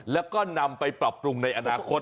แล้วก็นำไปปรับปรุงในอนาคต